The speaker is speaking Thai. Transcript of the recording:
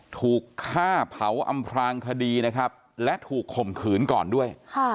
ถูกฆ่าเผาอำพลางคดีนะครับและถูกข่มขืนก่อนด้วย